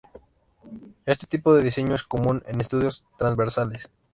Este tipo de diseño es común en estudios transversales.